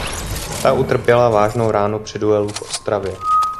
Ta utrpěla vážnou ránu při duelu v Ostravě.